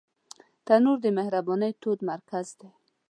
تنور د مهربانۍ تود مرکز دی